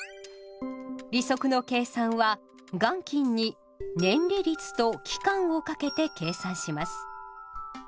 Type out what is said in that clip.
利息の計算は元金に「年利率」と「期間」をかけて計算します。